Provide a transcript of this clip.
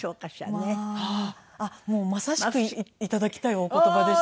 もうまさしく頂きたいお言葉でした。